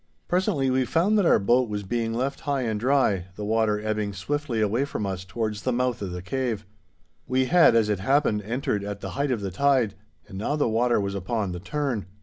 Presently we found that our boat was being left high and dry, the water ebbing swiftly away from us towards the mouth of the cave. We had, as it happened, entered at the height of the tide, and now the water was upon the turn.